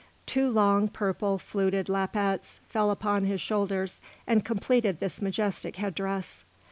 Two long, purple, fluted lappets fell upon his shoulders and completed this majestic head dress.